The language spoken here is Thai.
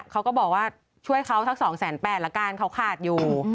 เขาก็บอกว่าช่วยเขาสัก๒๘๐๐ละกันเขาขาดอยู่